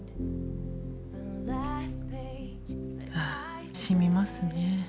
あしみますね。